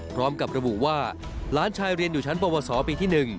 พร้อมกับระบุว่าหลานชายเรียนอยู่ชั้นปวสปีที่๑